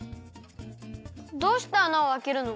どうしてあなをあけるの？